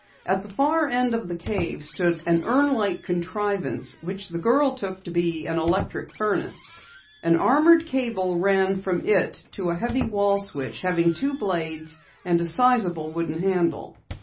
At the far end of the cave stood an urn like contrivance which the girl took to be an electric furnace. An armored cable ran from it to a heavy wall switch having two blades and a sizable wooden handle.